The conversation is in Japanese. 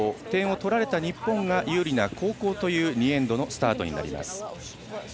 点を取られた日本が有利な後攻という２エンドのスタートになります。